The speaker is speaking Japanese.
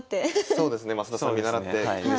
そうですね増田さんを見習って。